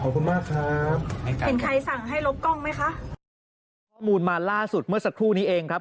ข้อมูลมาล่าสุดเมื่อสักครู่นี้เองครับ